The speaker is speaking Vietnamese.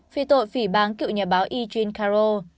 vì tội phỉ bán cựu nhà báo eugene carroll